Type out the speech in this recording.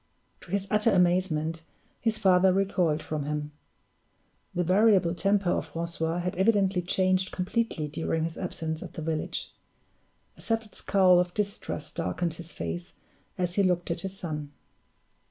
To his utter amazement, his father recoiled from him. The variable temper of Francois had evidently changed completely during his absence at the village. A settled scowl of distrust darkened his face as he looked at his son.